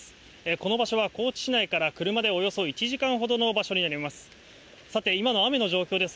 この場所は高知市内から車でおよそ１時間ほどの場所になります。